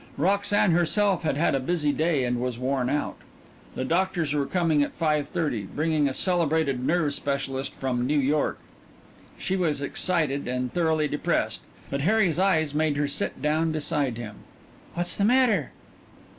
Roxanne herself had had a busy day and was worn out. The doctors were coming at five thirty, bringing a celebrated nerve specialist from New York. She was excited and thoroughly depressed, but Harry's eyes made her sit down beside him. "What's the matter?"